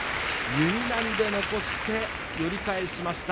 弓なりで残して寄り返しました。